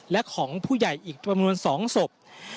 และของผู้ใหญ่อีกประมาณ๒ศพ